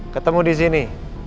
ketemu di sini